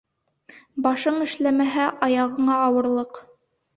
Башың эшләмәһә, аяғыңа ауырлыҡ.